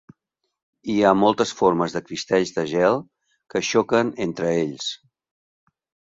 Hi ha moltes formes de cristalls de gel que xoquen entre ells.